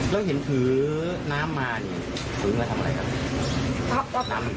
แล้วเห็นผืนน้ำมานี่ผืนแล้วทำอะไรครับ